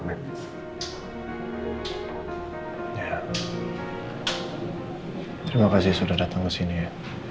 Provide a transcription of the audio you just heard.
ini yang kebetulan ya